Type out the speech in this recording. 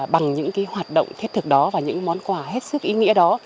bằng những hoạt động thiết thực đó và những món quà hết sức ý nghĩa đó